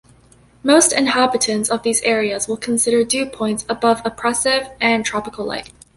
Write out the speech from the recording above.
Most inhabitants of these areas will consider dew points above oppressive and tropical-like.